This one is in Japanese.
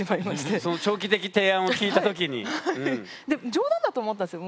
冗談だと思ったんですよ